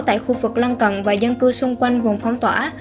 tại khu vực lân cận và dân cư xung quanh vùng phong tỏa